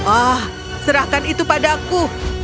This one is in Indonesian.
oh serahkan itu padaku